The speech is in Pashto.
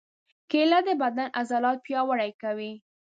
کېله د بدن عضلات پیاوړي کوي.